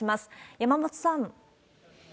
山本さん。